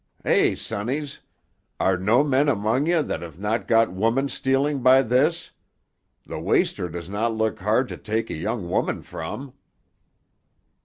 "Eh, sonnies! Art no men among ye that ye have not gone woman stealing by this? Tuh waster does not look hard to take a young woman from."